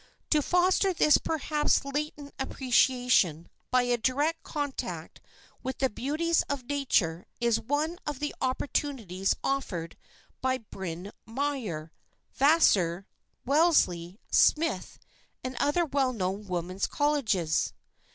To foster this perhaps latent appreciation by a direct contact with the beauties of nature is one of the opportunities offered by Bryn Mawr, Vassar, Wellesley, Smith and other well known women's colleges.